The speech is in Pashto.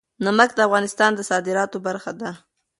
نمک د افغانستان د صادراتو برخه ده.